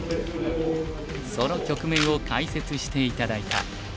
その局面を解説して頂いた。